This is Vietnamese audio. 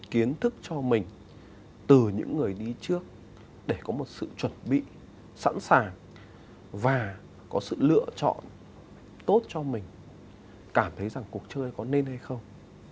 kiến thức cho mình từ những người đi trước để có một sự chuẩn bị sẵn sàng và có sự lựa chọn tốt cho mình cảm thấy rằng cuộc chơi có nên hay không